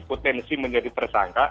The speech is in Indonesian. potensi menjadi tersangka